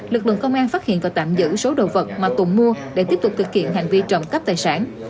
lực lượng công an phát hiện và tạm giữ số đồ vật mà tùng mua để tiếp tục thực hiện hành vi trộm cắp tài sản